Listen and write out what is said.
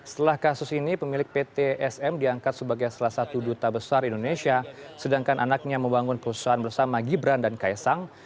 setelah kasus ini pemilik pt sm diangkat sebagai salah satu duta besar indonesia sedangkan anaknya membangun perusahaan bersama gibran dan kaisang